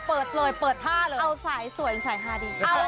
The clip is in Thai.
เปิดเลยเอาไสสวยใสหาดี